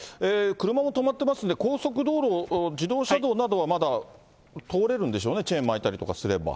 車も止まってますんで、高速道路、自動車道などはまだ通れるんでしょうね、チェーン巻いたりとかす